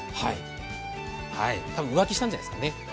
多分、浮気したんじゃないですかね